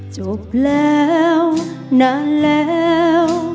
จบแล้วนานแล้ว